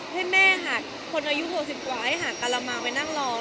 ให้แม่หาดคนอายุ๖๐กว่าให้หาการมาไปนั่งรอ